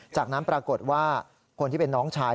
จากนั้นปรากฏว่าคนที่เป็นน้องชาย